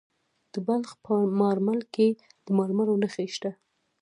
د بلخ په مارمل کې د مرمرو نښې شته.